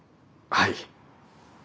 はい。